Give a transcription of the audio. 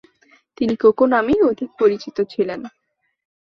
তিনি কোকো নামেই অধিক পরিচিত ছিলেন।